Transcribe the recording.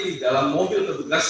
di dalam mobil petugas